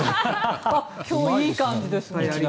今日、いい感じですね。